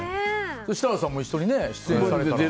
設楽さんも一緒に出演されたら。